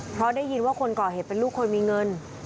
เพราะได้ยินว่าคนก่อเหตุเป็นลูกคนมีเงิน